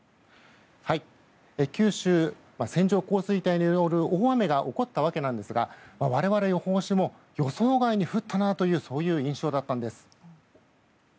九州線状降水帯による大雨が起こったわけなんですが我々、予報士も予想外に降ったなという印象だったんです。